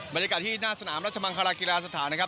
บรรยากาศที่หน้าสนามรัชมังคลากีฬาสถานนะครับ